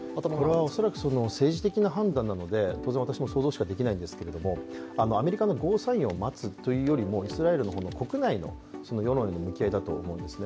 恐らく政治的な判断なので当然私も想像しかできないんですけどアメリカのゴーサインを待つというよりもイスラエルの国内の世論だと思うんですね。